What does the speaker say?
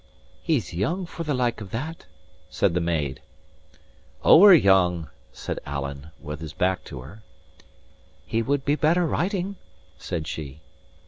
"He's young for the like of that," said the maid. "Ower young," said Alan, with his back to her. "He would be better riding," says she.